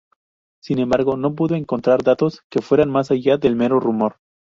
Sin embargo, no pudo encontrar datos que fueran más allá del mero rumor.